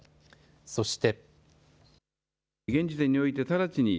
そして。